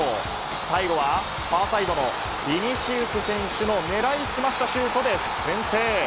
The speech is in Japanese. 最後は、ファーサイドのヴィニシウス選手の狙い澄ましたシュートで先制。